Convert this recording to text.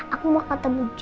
aku mau ketemu jana sama adi